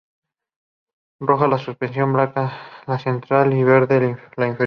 Roja la superior, blanca la central y verde la inferior.